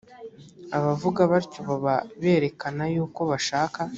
abavuga batyo baba berekana yuko bashaka